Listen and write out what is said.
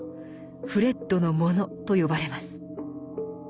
「フレッドのモノ」と呼ばれます。